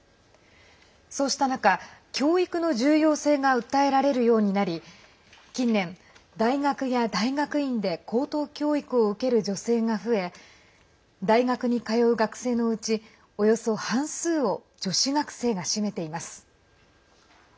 そうした中、教育の重要性が訴えられるようになり近年、大学や大学院で高等教育を受ける女性が増え大学に通う学生のうちおよそ半数を女子学生が占めています。